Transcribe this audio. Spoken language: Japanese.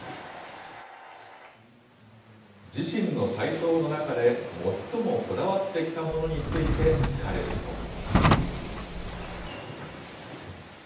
自身の体操の中で、最もこだわってきたものについて聞かれると。